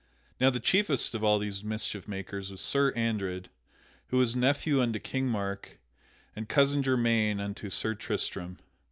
Now the chiefest of all these mischief makers was Sir Andred, who was nephew unto King Mark, and cousin germaine unto Sir Tristram.